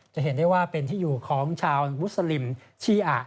จะเห็นได้ว่าเป็นที่อยู่ของชาวมุสลิมชีอะ